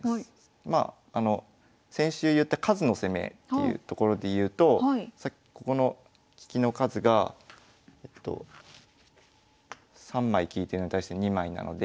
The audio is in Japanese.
まあ先週言った数の攻めっていうところでいうとここの利きの数が３枚利いてるのに対して２枚なので。